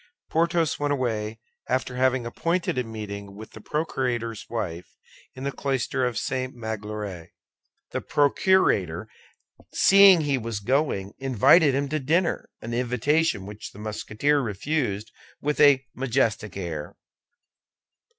Porthos went away after having appointed a meeting with the procurator's wife in the cloister of St. Magloire. The procurator, seeing he was going, invited him to dinner—an invitation which the Musketeer refused with a majestic air.